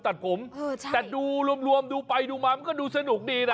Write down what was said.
ตัดผมแต่ดูรวมดูไปดูมามันก็ดูสนุกดีนะ